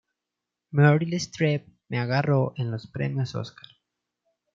Meryl Streep me agarró en los Premios Óscar.